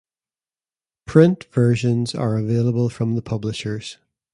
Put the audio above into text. Print versions are available from the publishers.